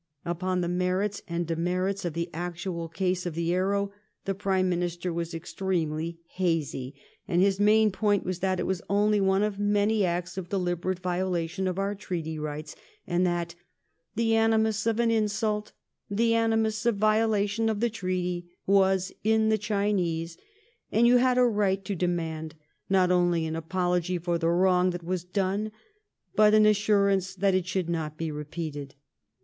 Upon the merits and demerits of the actual case of the "Arrow" the Prime Minister was extremely hazy, and his main point was that it was only one of many acts of deliberate violation of our treaty rights, and that " the animus of an insult, the animus of violation of the treaty was in the Chinese, and you had a right to demand not only an apology for the wrong that was done, but an assurance that it should not be repeated."